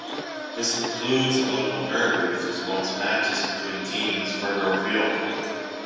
This includes local derbies as well as matches between teams further afield.